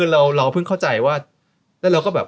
เราก็เพิ่งเข้าใจว่า